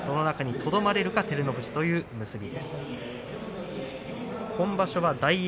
その中にとどまれるか照ノ富士です。